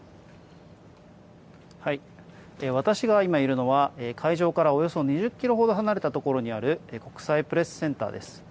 私が今いるのは、会場からおよそ２０キロほど離れた所にある国際プレスセンターです。